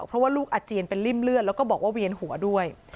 เพราะว่าลูกอาเจียนเป็นริ่มเลือดแล้วก็บอกว่าเวียนหัวด้วย